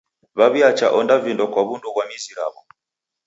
W'aw'iacha onda vindo kwa w'undu ghwa mizi raw'o.